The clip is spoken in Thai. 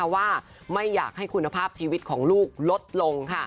ว่าไม่อยากให้คุณภาพชีวิตของลูกลดลง